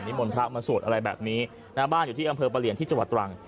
มนต์พระมาสวดอะไรแบบนี้นะบ้านอยู่ที่อำเภอประเหลียนที่จังหวัดตรัง